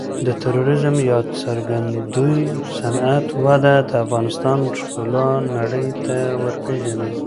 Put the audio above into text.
د توریزم یا ګرځندوی صنعت وده د افغانستان ښکلا نړۍ ته ورپیژني.